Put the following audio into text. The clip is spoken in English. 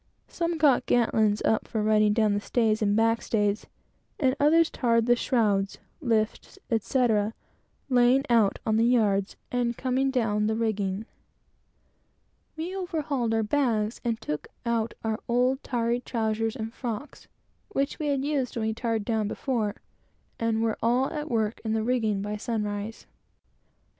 Some got girt lines up for riding down the stays and back stays, and others tarred the shrouds, lifts, etc., laying out on the yards, and coming down the rigging. We overhauled our bags and took out our old tarry trowsers and frocks, which we had used when we tarred down before, and were all at work in the rigging by sunrise.